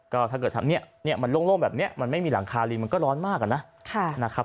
ถ้าเกิดทำแบบนี้มันโล่งแบบนี้มันไม่มีหลังคาเลยมันก็ร้อนมากอะนะ